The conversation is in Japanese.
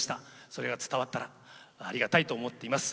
それが伝わったらありがたいなと思っています。